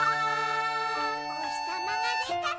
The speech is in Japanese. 「おひさまがでたら」